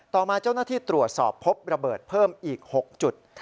ต่อมาเจ้าหน้าที่ตรวจสอบพบระเบิดเพิ่มอีก๖จุด